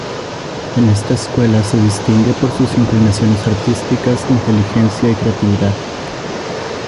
En esta escuela se distingue por sus inclinaciones artísticas, inteligencia y creatividad.